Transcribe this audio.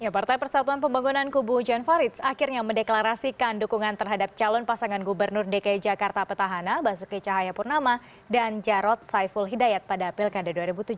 partai persatuan pembangunan kubu jan farid akhirnya mendeklarasikan dukungan terhadap calon pasangan gubernur dki jakarta petahana basuki cahayapurnama dan jarod saiful hidayat pada pilkada dua ribu tujuh belas